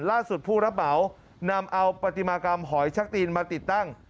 ผู้รับเหมานำเอาปฏิมากรรมหอยชักตีนมาติดตั้ง